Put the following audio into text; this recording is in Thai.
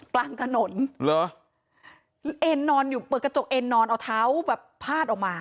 กลางถนนเหรอเอ็นนอนอยู่เปิดกระจกเอ็นนอนเอาเท้าแบบพาดออกมา